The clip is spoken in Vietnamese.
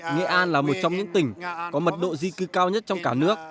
nghệ an là một trong những tỉnh có mật độ di cư cao nhất trong cả nước